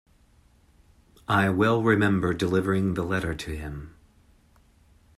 I well remember delivering the letter to him.